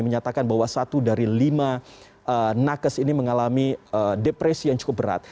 menyatakan bahwa satu dari lima nakes ini mengalami depresi yang cukup berat